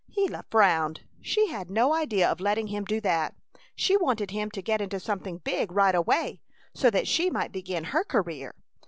Gila frowned. She had no idea of letting him do that. She wanted him to get into something big right away, so that she might begin her career.